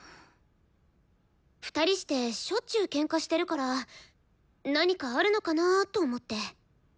２人してしょっちゅうケンカしてるから何かあるのかなと思って。